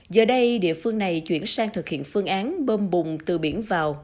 giờ đây địa phương này chuyển sang thực hiện phương án bơm bùng từ biển vào